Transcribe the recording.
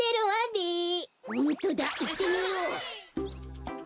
ほんとだいってみよう！